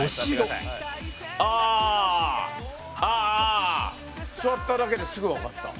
ああ座っただけですぐ分かった。